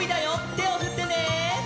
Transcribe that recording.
てをふってね！